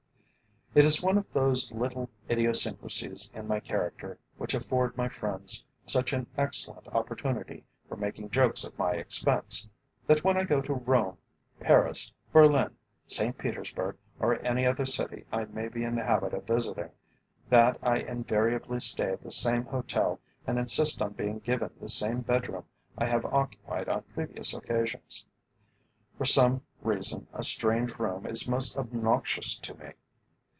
It is one of those little idiosyncrasies in my character which afford my friends such an excellent opportunity for making jokes at my expense, that when I go to Rome, Paris, Berlin, St Petersburg, or any other city I may be in the habit of visiting, that I invariably stay at the same hotel and insist on being given the same bedroom I have occupied on previous occasions. For some reason a strange room is most obnoxious to me.